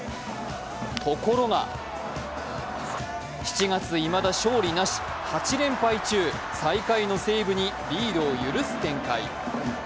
ところが、７月、いまだ勝利なし、８連敗中、最下位の西武にリードを許す展開。